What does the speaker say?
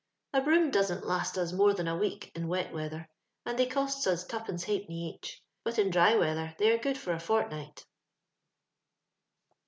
«* A broom doeant laat na more than a week in wet weather, and thev eoata ns twopenee htltpmaj each ; bat in diy weather thflj are good for a fortnight.''